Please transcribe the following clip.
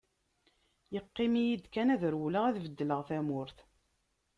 Yeqqim-iyi-d kan ad rewleɣ, ad beddleɣ tamurt.